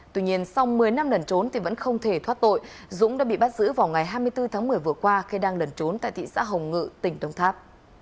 tuy nhiên sau một mươi năm lần trốn thì vẫn không thể thoát tội dũng đã bị bắt giữ vào ngày hai mươi bốn tháng một mươi vừa qua khi đang lẩn trốn tại thị xã hồng ngự tỉnh đông tháp